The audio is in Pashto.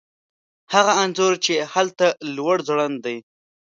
هغه انځور چې هلته لوړ ځوړند دی